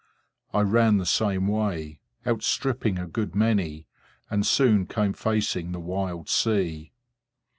I ran the same way, outstripping a good many, and soon came facing the wild sea.